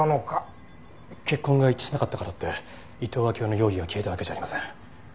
血痕が一致しなかったからって伊東暁代の容疑が消えたわけじゃありません。